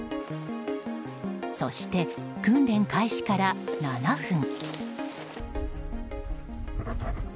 そして、訓練開始から７分。